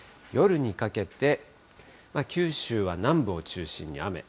夜にかけて、九州は南部を中心に雨。